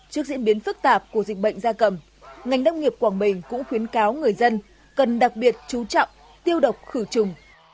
trước diễn biến phức tạp của dịch bệnh gia cầm ngành đông nghiệp quảng bình cũng khuyến cáo người dân cần đặc biệt chú trọng tiêu độc khử trùng